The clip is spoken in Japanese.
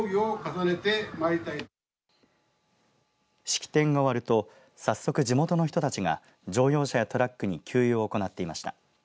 式典が終わると早速地元の人たちが乗用車やトラックに給油を行っていました。